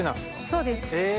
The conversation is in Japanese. そうです。え！